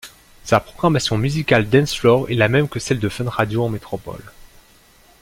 Sa programmation musicale dancefloor est la même que celle de Fun Radio en métropole.